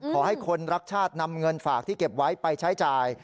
ขอให้คนรักชาตินำเงินฝากที่เก็บไว้ไปใช้จ่าย